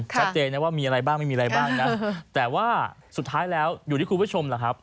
ชัดเจนนะว่ามีอะไรบ้างไม่มีอะไรบ้างนะแต่ว่าสุดท้ายแล้วอยู่ที่คุณผู้ชมล่ะครับ